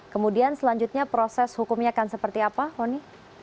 kemudian selanjutnya proses hukumnya akan seperti apa roni